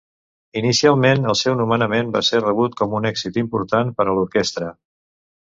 Inicialment, el seu nomenament va ser rebut com un èxit important per a l'orquestra.